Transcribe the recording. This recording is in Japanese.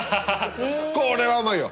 これはうまいよ！